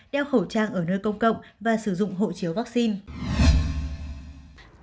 đeo khẩu trang ở nơi công cộng và sử dụng hộ chiếu vaccine